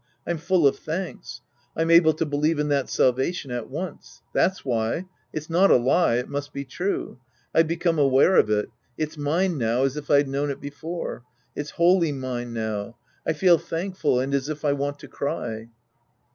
I'm full of thanks. I'm able to believe in that salvation at once. That's why. It's not a lie. It must be true. , I've become aware of it. It's mine now, as if I'd known it before. It's wholly mine now. I feel thankful and as if I want to cry.